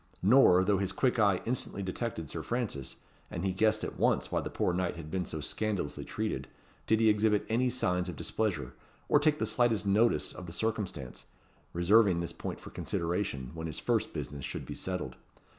Nor, though his quick eye instantly detected Sir Francis, and he guessed at once why the poor knight had been so scandalously treated, did he exhibit any signs of displeasure, or take the slightest notice of the circumstance; reserving this point for consideration, when his first business should be settled.